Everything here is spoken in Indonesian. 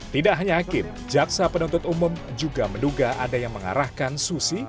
tidak hanya hakim jaksa penuntut umum juga menduga ada yang mengarahkan susi